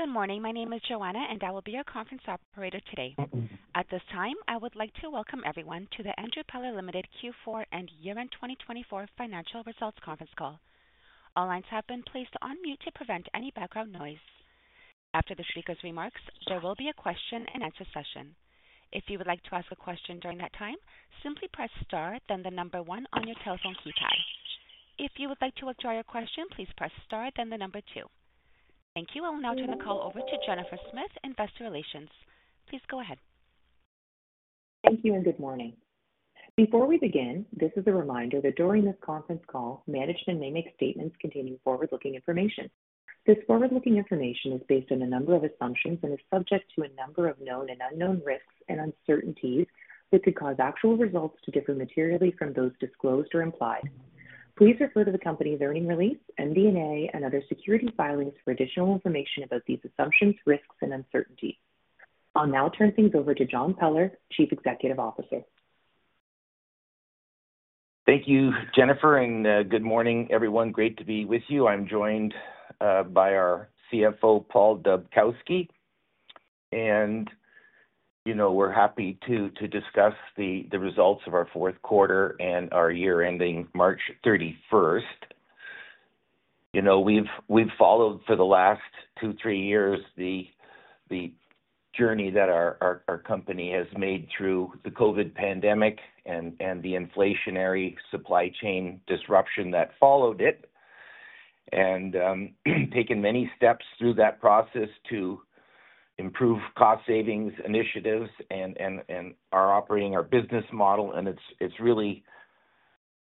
Good morning. My name is Joanna, and I will be your conference operator today. At this time, I would like to welcome everyone to the Andrew Peller Limited Q4 and Year End 2024 Financial Results Conference Call. All lines have been placed on mute to prevent any background noise. After the speaker's remarks, there will be a question and answer session. If you would like to ask a question during that time, simply press star, then the number one on your telephone keypad. If you would like to withdraw your question, please press star, then the number two. Thank you. I will now turn the call over to Jennifer Smith, Investor Relations. Please go ahead. Thank you, and good morning. Before we begin, this is a reminder that during this conference call, management may make statements containing forward-looking information. This forward-looking information is based on a number of assumptions and is subject to a number of known and unknown risks and uncertainties that could cause actual results to differ materially from those disclosed or implied. Please refer to the company's earnings release, MD&A, and other securities filings for additional information about these assumptions, risks, and uncertainties. I'll now turn things over to John Peller, Chief Executive Officer. Thank you, Jennifer, and good morning, everyone. Great to be with you. I'm joined by our CFO, Paul Dubkowski. We're happy to discuss the results of our fourth quarter and our year-ending March 31st. We've followed for the last two, three years the journey that our company has made through the COVID pandemic and the inflationary supply chain disruption that followed it, and taken many steps through that process to improve cost-savings initiatives and our operating our business model. It's really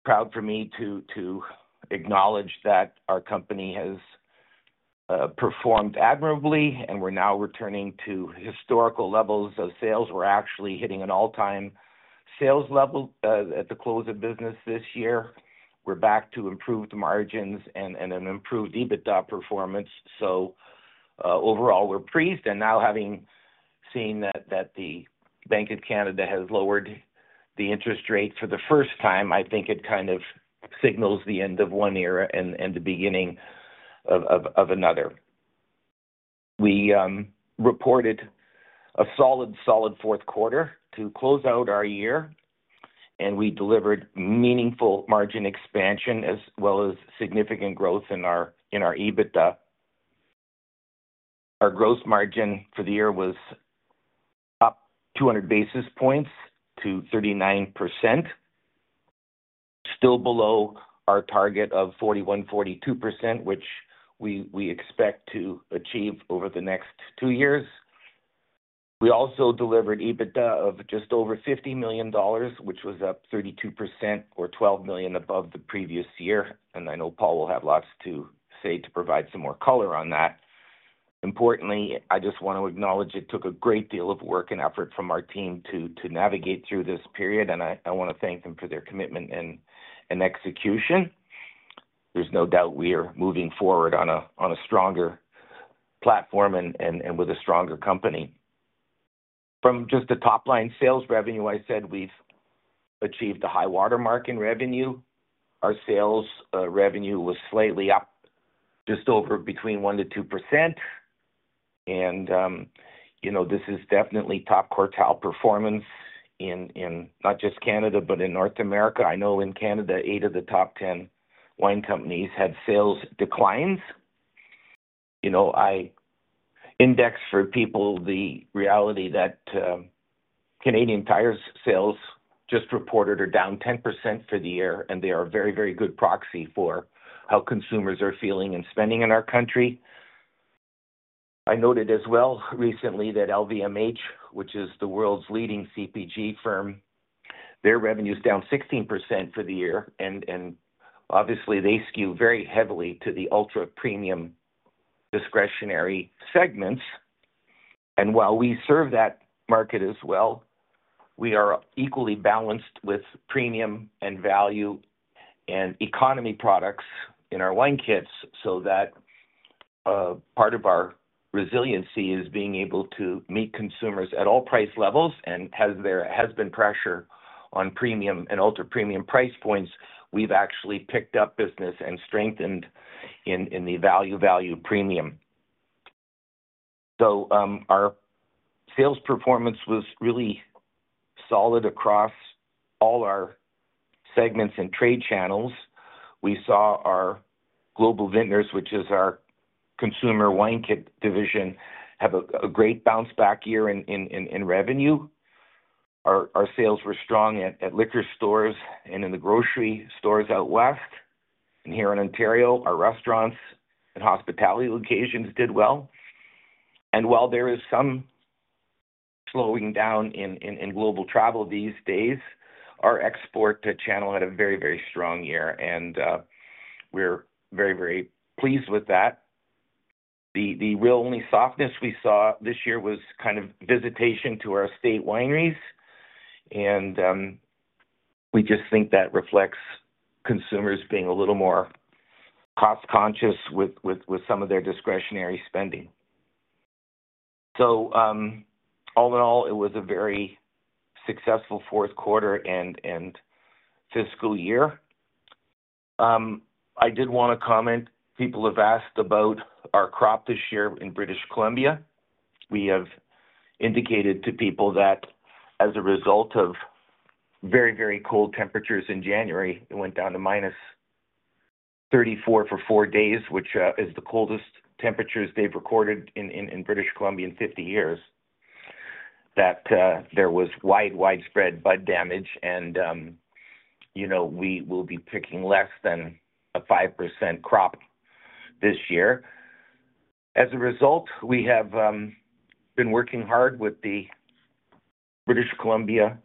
proud for me to acknowledge that our company has performed admirably, and we're now returning to historical levels of sales. We're actually hitting an all-time sales level at the close of business this year. We're back to improved margins and an improved EBITDA performance. So overall, we're pleased. Now, having seen that the Bank of Canada has lowered the interest rate for the first time, I think it kind of signals the end of one era and the beginning of another. We reported a solid, solid fourth quarter to close out our year, and we delivered meaningful margin expansion as well as significant growth in our EBITDA. Our gross margin for the year was up 200 basis points to 39%, still below our target of 41% to.42%, which we expect to achieve over the next two years. We also delivered EBITDA of just over 50 million dollars, which was up 32% or 12 million above the previous year. I know Paul will have lots to say to provide some more color on that. Importantly, I just want to acknowledge it took a great deal of work and effort from our team to navigate through this period, and I want to thank them for their commitment and execution. There's no doubt we are moving forward on a stronger platform and with a stronger company. From just the top-line sales revenue, I said we've achieved a high watermark in revenue. Our sales revenue was slightly up just over between 1%-2%. This is definitely top quartile performance in not just Canada, but in North America. I know in Canada, eight of the top 10 wine companies had sales declines. I index for people the reality that Canadian Tire's sales just reported are down 10% for the year, and they are a very, very good proxy for how consumers are feeling and spending in our country. I noted as well recently that LVMH, which is the world's leading CPG firm, their revenue is down 16% for the year. Obviously, they skew very heavily to the ultra-premium discretionary segments. While we serve that market as well, we are equally balanced with premium and value and economy products in our wine kits so that part of our resiliency is being able to meet consumers at all price levels. As there has been pressure on premium and ultra-premium price points, we've actually picked up business and strengthened in the value-value premium. So our sales performance was really solid across all our segments and trade channels. We saw our Global Vintners, which is our consumer wine kit division, have a great bounce-back year in revenue. Our sales were strong at liquor stores and in the grocery stores out west. Here in Ontario, our restaurants and hospitality locations did well. And while there is some slowing down in global travel these days, our export channel had a very, very strong year, and we're very, very pleased with that. The real only softness we saw this year was kind of visitation to our estate wineries. And we just think that reflects consumers being a little more cost-conscious with some of their discretionary spending. So all in all, it was a very successful fourth quarter and fiscal year. I did want to comment. People have asked about our crop this year in British Columbia. We have indicated to people that as a result of very, very cold temperatures in January, it went down to -34 for 4 days, which is the coldest temperatures they've recorded in British Columbia in 50 years, that there was widespread bud damage. We will be picking less than a 5% crop this year. As a result, we have been working hard with the British Columbia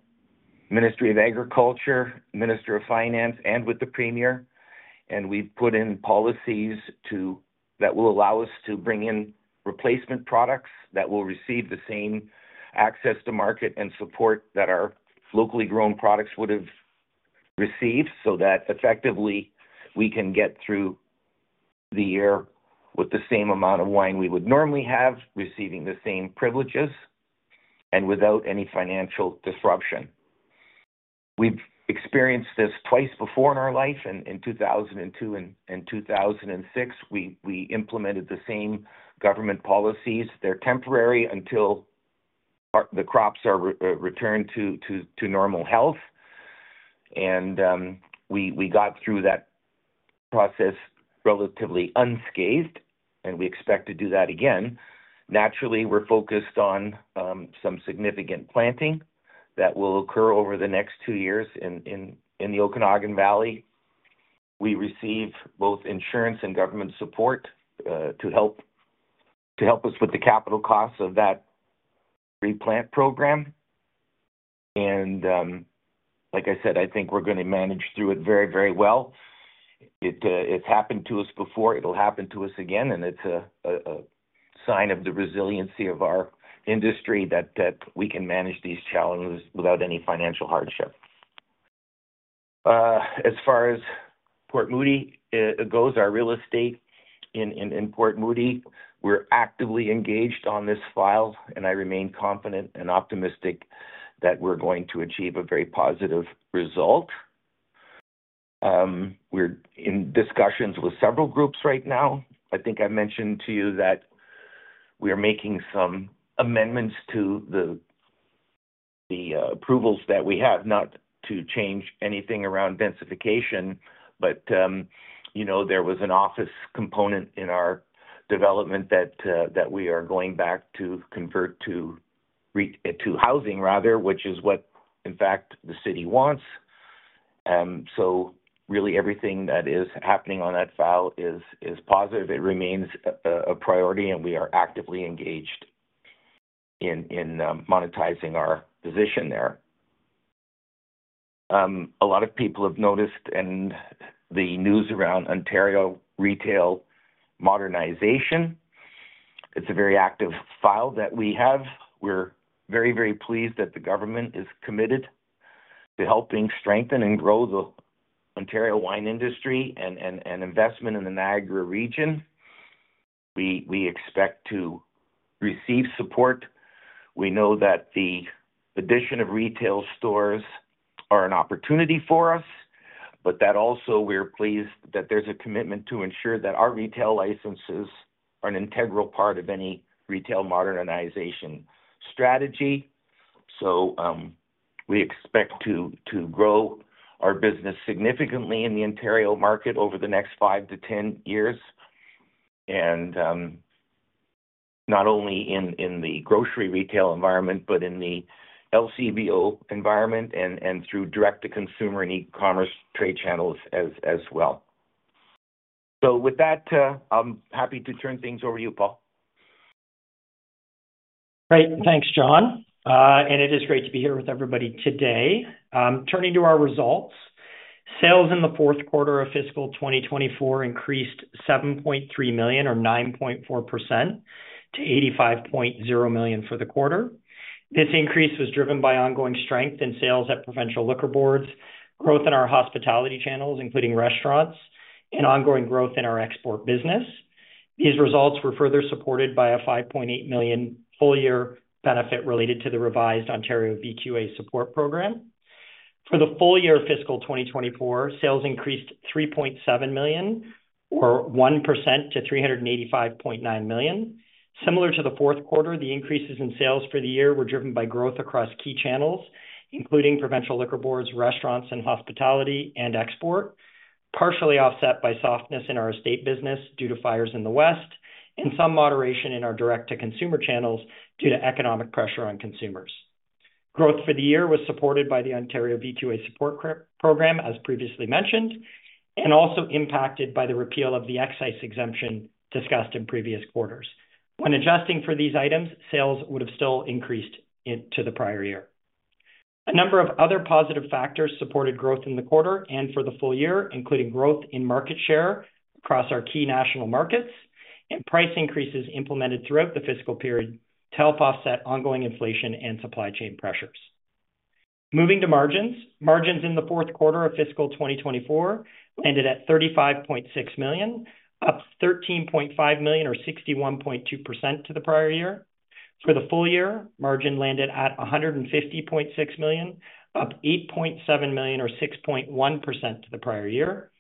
Ministry of Agriculture, Minister of Finance, and with the Premier. We've put in policies that will allow us to bring in replacement products that will receive the same access to market and support that our locally grown products would have received so that effectively we can get through the year with the same amount of wine we would normally have, receiving the same privileges and without any financial disruption. We've experienced this twice before in our life. In 2002 and 2006, we implemented the same government policies. They're temporary until the crops are returned to normal health. We got through that process relatively unscathed, and we expect to do that again. Naturally, we're focused on some significant planting that will occur over the next 2 years in the Okanagan Valley. We receive both insurance and government support to help us with the capital costs of that replant program. Like I said, I think we're going to manage through it very, very well. It's happened to us before. It'll happen to us again. It's a sign of the resiliency of our industry that we can manage these challenges without any financial hardship. As far as Port Moody goes, our real estate in Port Moody, we're actively engaged on this file, and I remain confident and optimistic that we're going to achieve a very positive result. We're in discussions with several groups right now. I think I mentioned to you that we are making some amendments to the approvals that we have, not to change anything around densification, but there was an office component in our development that we are going back to convert to housing, rather, which is what, in fact, the city wants. So really, everything that is happening on that file is positive. It remains a priority, and we are actively engaged in monetizing our position there. A lot of people have noticed the news around Ontario retail modernization. It's a very active file that we have. We're very, very pleased that the government is committed to helping strengthen and grow the Ontario wine industry and investment in the Niagara region. We expect to receive support. We know that the addition of retail stores is an opportunity for us, but that also we're pleased that there's a commitment to ensure that our retail licenses are an integral part of any retail modernization strategy. So we expect to grow our business significantly in the Ontario market over the next 5-10 years, and not only in the grocery retail environment, but in the LCBO environment and through direct-to-consumer and e-commerce trade channels as well. So with that, I'm happy to turn things over to you, Paul. Great. Thanks, John. It is great to be here with everybody today. Turning to our results, sales in the fourth quarter of fiscal 2024 increased 7.3 million or 9.4% to 85.0 million for the quarter. This increase was driven by ongoing strength in sales at provincial liquor boards, growth in our hospitality channels, including restaurants, and ongoing growth in our export business. These results were further supported by a 5.8 million full-year benefit related to the revised Ontario VQA support program. For the full year of fiscal 2024, sales increased 3.7 million or 1% to 385.9 million. Similar to the fourth quarter, the increases in sales for the year were driven by growth across key channels, including provincial liquor boards, restaurants, and hospitality and export, partially offset by softness in our estate business due to fires in the west, and some moderation in our direct-to-consumer channels due to economic pressure on consumers. Growth for the year was supported by the Ontario VQA Support Program, as previously mentioned, and also impacted by the repeal of the excise exemption discussed in previous quarters. When adjusting for these items, sales would have still increased to the prior year. A number of other positive factors supported growth in the quarter and for the full year, including growth in market share across our key national markets and price increases implemented throughout the fiscal period to help offset ongoing inflation and supply chain pressures. Moving to margins, margins in the fourth quarter of fiscal 2024 landed at 35.6 million, up 13.5 million or 61.2% to the prior year. For the full year, margin landed at 150.6 million, up 8.7 million or 6.1% to the prior year.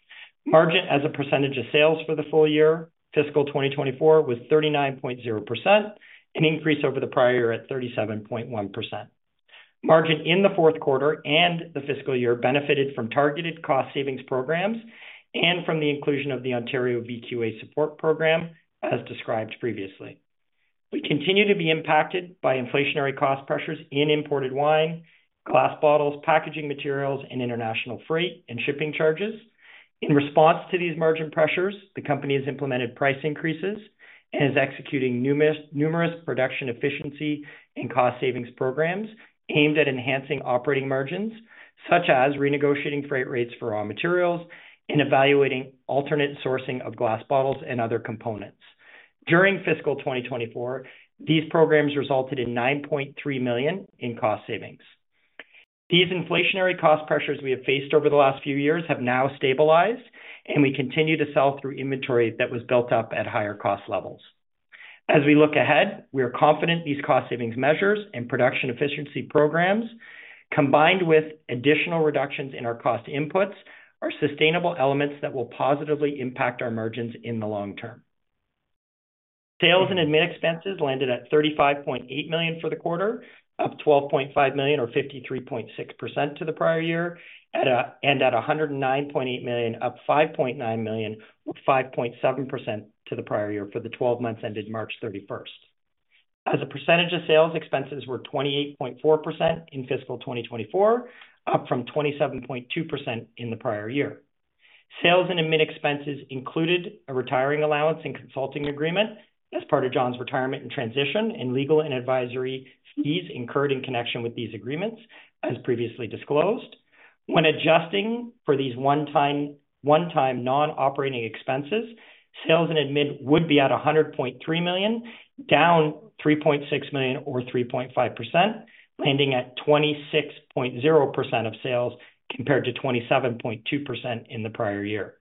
Margin as a percentage of sales for the full year, fiscal 2024, was 39.0%, an increase over the prior year at 37.1%. Margin in the fourth quarter and the fiscal year benefited from targeted cost-savings programs and from the inclusion of the Ontario VQA Support Program, as described previously. We continue to be impacted by inflationary cost pressures in imported wine, glass bottles, packaging materials, and international freight and shipping charges. In response to these margin pressures, the company has implemented price increases and is executing numerous production efficiency and cost-savings programs aimed at enhancing operating margins, such as renegotiating freight rates for raw materials and evaluating alternate sourcing of glass bottles and other components. During fiscal 2024, these programs resulted in 9.3 million in cost savings. These inflationary cost pressures we have faced over the last few years have now stabilized, and we continue to sell through inventory that was built up at higher cost levels. As we look ahead, we are confident these cost-savings measures and production efficiency programs, combined with additional reductions in our cost inputs, are sustainable elements that will positively impact our margins in the long term. Sales and admin expenses landed at 35.8 million for the quarter, up 12.5 million or 53.6% to the prior year, and at 109.8 million, up 5.9 million or 5.7% to the prior year for the 12 months ended March 31st. As a percentage of sales, expenses were 28.4% in fiscal 2024, up from 27.2% in the prior year. Sales and admin expenses included a retiring allowance and consulting agreement as part of John's retirement and transition and legal and advisory fees incurred in connection with these agreements, as previously disclosed. When adjusting for these one-time non-operating expenses, sales and admin would be at 100.3 million, down 3.6 million or 3.5%, landing at 26.0% of sales compared to 27.2% in the prior year.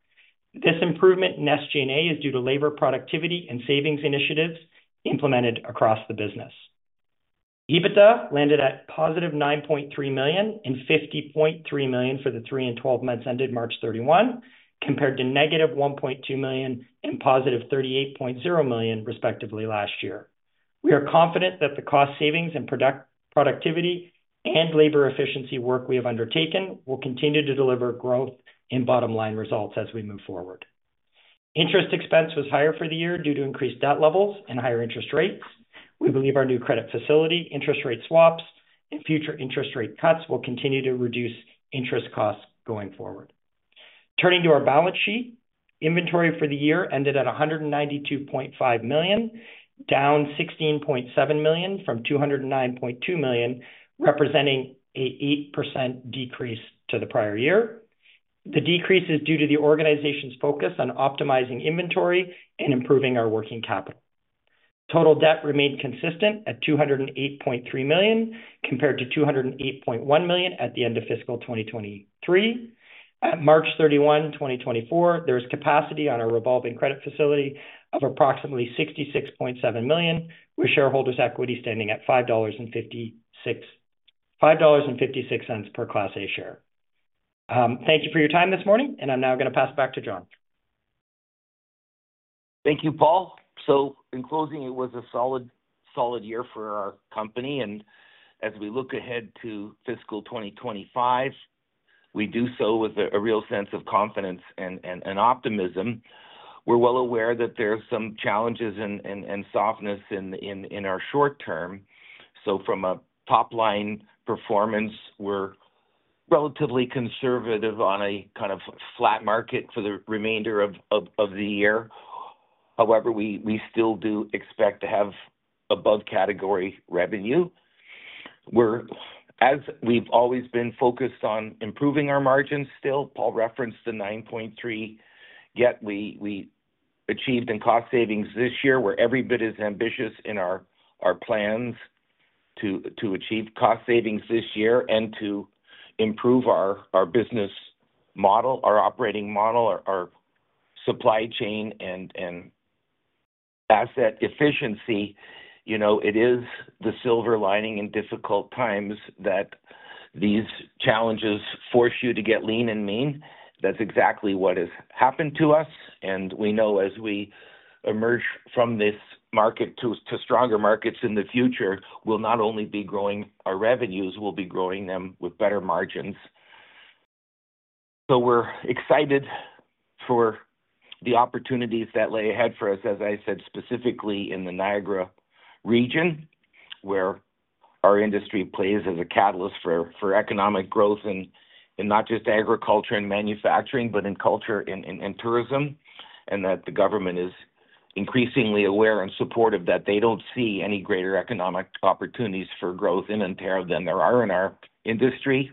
This improvement in SG&A is due to labor productivity and savings initiatives implemented across the business. EBITDA landed at positive 9.3 million and 50.3 million for the 3 and 12 months ended March 31, compared to negative 1.2 million and positive 38.0 million, respectively, last year. We are confident that the cost savings and productivity and labor efficiency work we have undertaken will continue to deliver growth in bottom-line results as we move forward. Interest expense was higher for the year due to increased debt levels and higher interest rates. We believe our new credit facility, interest rate swaps, and future interest rate cuts will continue to reduce interest costs going forward. Turning to our balance sheet, inventory for the year ended at 192.5 million, down 16.7 million from 209.2 million, representing an 8% decrease to the prior year. The decrease is due to the organization's focus on optimizing inventory and improving our working capital. Total debt remained consistent at 208.3 million compared to 208.1 million at the end of fiscal 2023. At March 31, 2024, there is capacity on our revolving credit facility of approximately 66.7 million, with shareholders' equity standing at 5.56 dollars per Class A Share. Thank you for your time this morning, and I'm now going to pass it back to John. Thank you, Paul. So in closing, it was a solid year for our company. And as we look ahead to fiscal 2025, we do so with a real sense of confidence and optimism. We're well aware that there are some challenges and softness in our short term. So from a top-line performance, we're relatively conservative on a kind of flat market for the remainder of the year. However, we still do expect to have above-category revenue. As we've always been focused on improving our margins still, Paul referenced the 9.3% that we achieved in cost savings this year. We're every bit as ambitious in our plans to achieve cost savings this year and to improve our business model, our operating model, our supply chain, and asset efficiency. It is the silver lining in difficult times that these challenges force you to get lean and mean. That's exactly what has happened to us. We know as we emerge from this market to stronger markets in the future, we'll not only be growing our revenues, we'll be growing them with better margins. We're excited for the opportunities that lay ahead for us, as I said, specifically in the Niagara region, where our industry plays as a catalyst for economic growth in not just agriculture and manufacturing, but in culture and tourism, and that the government is increasingly aware and supportive that they don't see any greater economic opportunities for growth in Ontario than there are in our industry.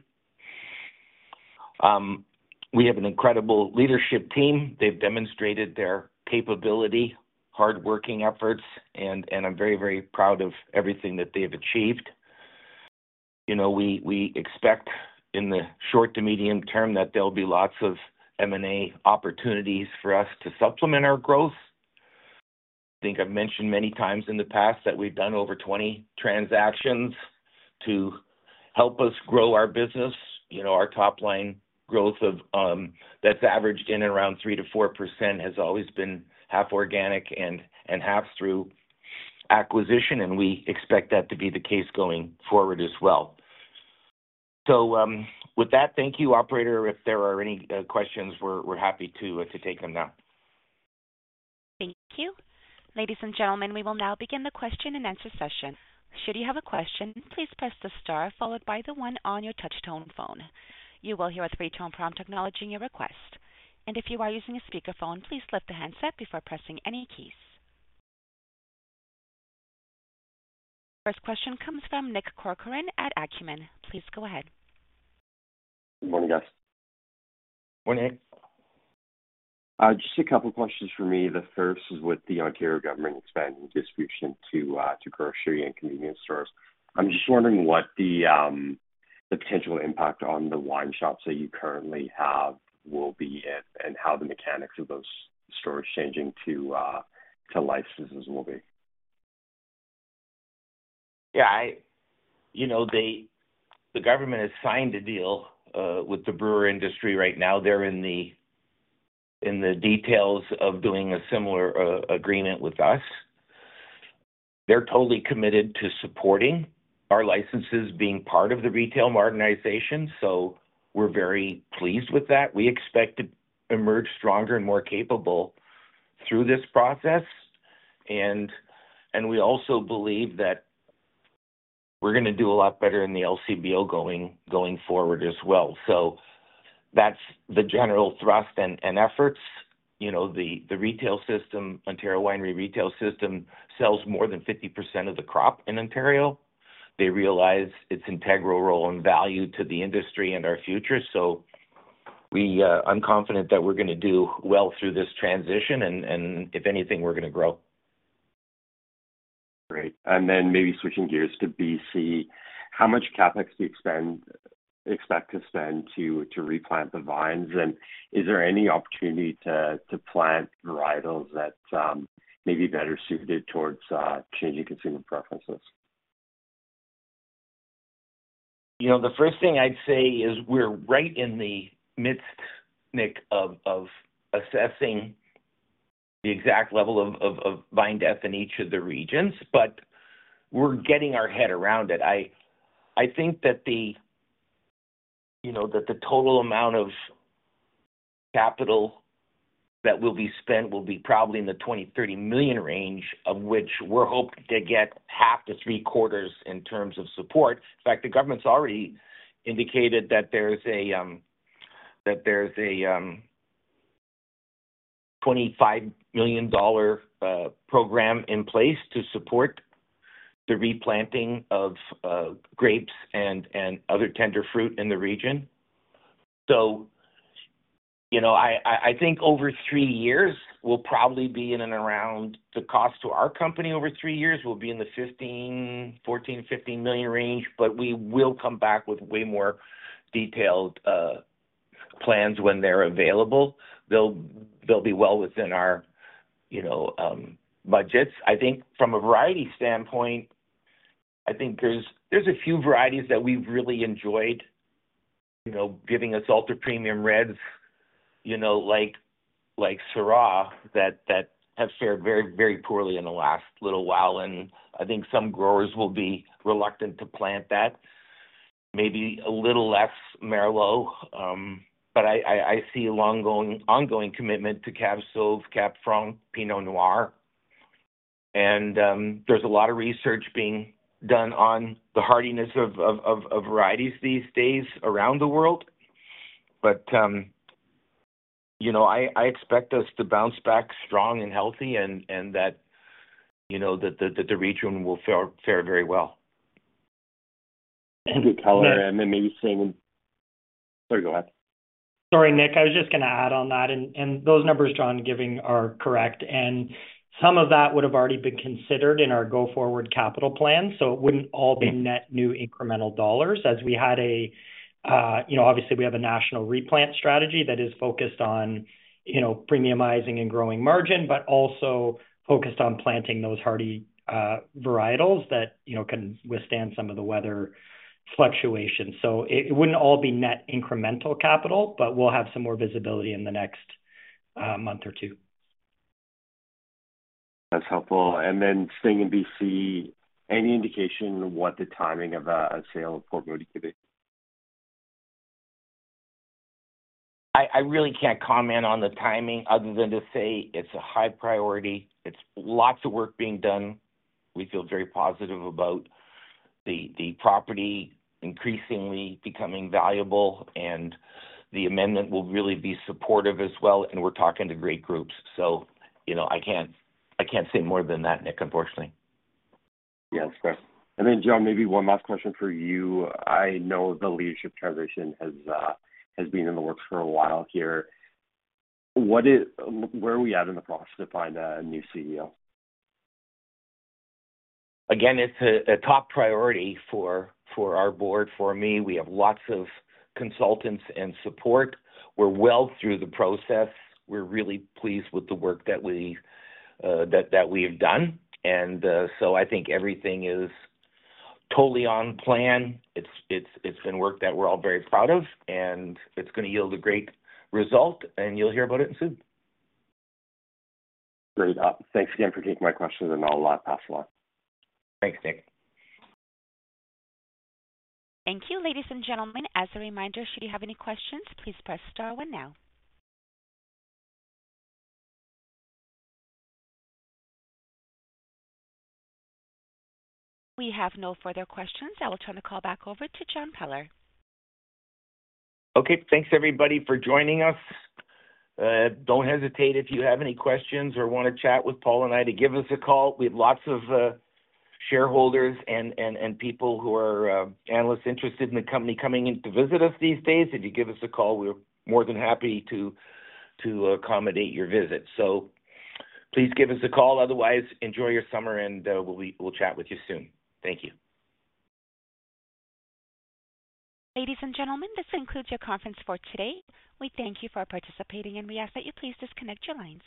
We have an incredible leadership team. They've demonstrated their capability, hardworking efforts, and I'm very, very proud of everything that they've achieved. We expect in the short to medium term that there will be lots of M&A opportunities for us to supplement our growth. I think I've mentioned many times in the past that we've done over 20 transactions to help us grow our business. Our top-line growth that's averaged in and around 3%-4% has always been half organic and half through acquisition, and we expect that to be the case going forward as well. So with that, thank you, Operator. If there are any questions, we're happy to take them now. Thank you. Ladies and gentlemen, we will now begin the question and answer session. Should you have a question, please press the star followed by the one on your touch-tone phone. You will hear a three-tone prompt acknowledging your request. If you are using a speakerphone, please lift the handset before pressing any keys. First question comes from Nick Corcoran at Acumen. Please go ahead. Good morning, guys. Morning, Nick. Just a couple of questions for me. The first is with the Ontario government expanding distribution to grocery and convenience stores. I'm just wondering what the potential impact on the wine shops that you currently have will be and how the mechanics of those stores changing to licenses will be. Yeah. The government has signed a deal with the brewer industry right now. They're in the details of doing a similar agreement with us. They're totally committed to supporting our licenses being part of the retail modernization. So we're very pleased with that. We expect to emerge stronger and more capable through this process. And we also believe that we're going to do a lot better in the LCBO going forward as well. So that's the general thrust and efforts. The Ontario Winery retail system sells more than 50% of the crop in Ontario. They realize its integral role and value to the industry and our future. So I'm confident that we're going to do well through this transition, and if anything, we're going to grow. Great. And then maybe switching gears to BC, how much CapEx do you expect to spend to replant the vines? And is there any opportunity to plant varietals that may be better suited towards changing consumer preferences? The first thing I'd say is we're right in the midst, Nick, of assessing the exact level of vine death in each of the regions, but we're getting our head around it. I think that the total amount of capital that will be spent will be probably in the 20-30 million range, of which we're hoping to get half to three quarters in terms of support. In fact, the government's already indicated that there's a 25 million dollar program in place to support the replanting of grapes and other tender fruit in the region. So I think over three years, we'll probably be in and around the cost to our company over three years will be in the 14-15 million range, but we will come back with way more detailed plans when they're available. They'll be well within our budgets. I think from a variety standpoint, I think there's a few varieties that we've really enjoyed giving us ultra-premium reds like Syrah that have fared very, very poorly in the last little while. I think some growers will be reluctant to plant that, maybe a little less Merlot, but I see an ongoing commitment to Cab Sauv, Cab Franc, Pinot Noir. There's a lot of research being done on the hardiness of varieties these days around the world. I expect us to bounce back strong and healthy and that the region will fare very well. Thank you, Peller. And then maybe seeing, sorry, go ahead. Sorry, Nick. I was just going to add on that. And those numbers John giving are correct. And some of that would have already been considered in our go-forward capital plan. So it wouldn't all be net new incremental dollars as we obviously have a national replant strategy that is focused on premiumizing and growing margin, but also focused on planting those hardy varietals that can withstand some of the weather fluctuations. So it wouldn't all be net incremental capital, but we'll have some more visibility in the next month or two. That's helpful. And then staying in BC, any indication of what the timing of a sale of Port Moody could be? I really can't comment on the timing other than to say it's a high priority. It's lots of work being done. We feel very positive about the property increasingly becoming valuable, and the amendment will really be supportive as well. We're talking to great groups. I can't say more than that, Nick, unfortunately. Yeah, that's fair. And then, John, maybe one last question for you. I know the leadership transition has been in the works for a while here. Where are we at in the process to find a new CEO? Again, it's a top priority for our board, for me. We have lots of consultants and support. We're well through the process. We're really pleased with the work that we have done. So I think everything is totally on plan. It's been work that we're all very proud of, and it's going to yield a great result, and you'll hear about it soon. Great. Thanks again for taking my questions, and I'll pass along. Thanks, Nick. Thank you, ladies and gentlemen. As a reminder, should you have any questions, please press star one now. We have no further questions. I will turn the call back over to John Peller. Okay. Thanks, everybody, for joining us. Don't hesitate if you have any questions or want to chat with Paul and I to give us a call. We have lots of shareholders and people who are analysts interested in the company coming in to visit us these days. If you give us a call, we're more than happy to accommodate your visit. So please give us a call. Otherwise, enjoy your summer, and we'll chat with you soon. Thank you. Ladies and gentlemen, this concludes your conference for today. We thank you for participating, and we ask that you please disconnect your lines.